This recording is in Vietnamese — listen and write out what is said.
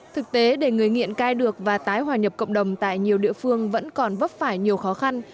thực tế để người nghiện cai được và tái hòa nhập cộng đồng tại nhiều địa phương vẫn còn vấp phải nhiều khó khăn